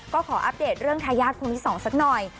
ก็ขออัปเดตเรื่องทายาทคนที่๒สักหน่อย